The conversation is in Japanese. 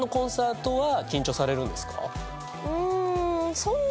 うん。